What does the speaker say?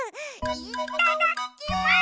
いっただきます！